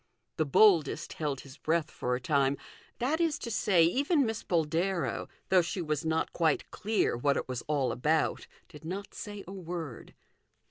The boldest held his breath for a time that is to say, even Miss Boldero, though she was not quite clear what it was all about, did not say a word.